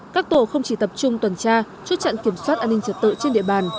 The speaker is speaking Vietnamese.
các tổ không chỉ tập trung tuần tra chốt chặn kiểm soát an ninh trật tự trên địa bàn